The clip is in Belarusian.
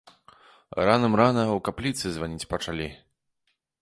Раным-рана ў капліцы званіць пачалі.